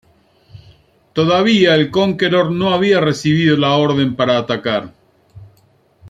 Todavía el "Conqueror" no había recibido la orden para atacar.